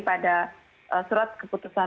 pada surat keputusan